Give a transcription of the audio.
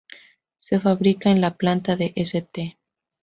Se fabricaba en la planta de St.